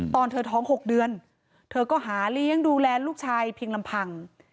ตอนเธอท้อง๖เดือนเธอก็หาเลี้ยงดูแลลูกชายเพียงลำพัง